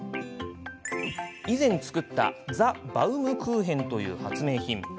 以前作ったザ・バウムクーヘンという発明品。